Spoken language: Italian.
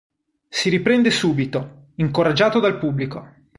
Si riprende subito, incoraggiato dal pubblico.